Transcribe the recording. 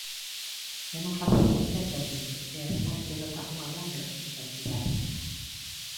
E non facelo é terrible, e ademais denota unha grande irresponsabilidade.